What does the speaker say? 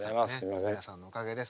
皆さんのおかげです。